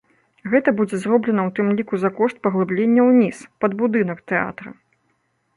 Гэта будзе зроблена ў тым ліку за кошт паглыблення ўніз, пад будынак тэатра.